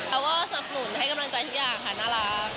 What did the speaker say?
เราก็สนับสนุนให้กำลังใจทุกอย่างค่ะน่ารัก